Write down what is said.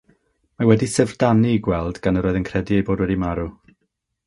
Mae wedi'i syfrdanu ei gweld, gan yr oedd yn credu ei bod wedi marw.